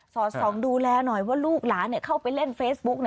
อดส่องดูแลหน่อยว่าลูกหลานเข้าไปเล่นเฟซบุ๊ก